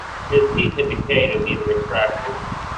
His teeth had decayed and needed extraction.